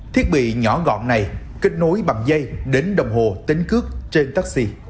thiết bị nhỏ gọn này kết nối bằng dây đến đồng hồ tính cướp trên taxi